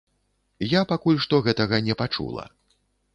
Я пакуль што гэтага не пачула.